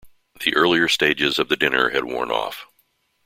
The earlier stages of the dinner had worn off.